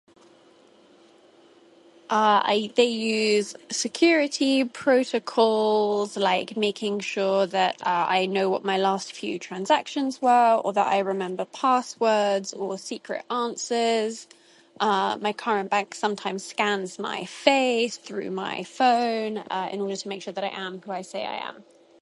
they use security protocols like making sure that I know what my last few transactions were or that I remember passwords or secret answers; my current bank sometimes scans my face through my phone in order to make sure that I am who I say I am